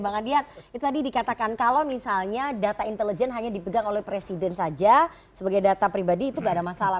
bang adian itu tadi dikatakan kalau misalnya data intelijen hanya dipegang oleh presiden saja sebagai data pribadi itu gak ada masalah